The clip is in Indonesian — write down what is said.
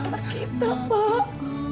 untuk menembuskan kita pak